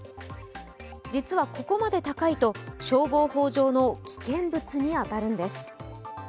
実はここまで高いと消防法上の危険物に当たるんです。